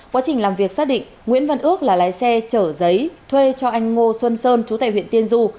quá trình làm việc xác định nguyễn văn ước là lái xe chở giấy thuê cho anh ngô xuân sơn chú tài huyện tiên du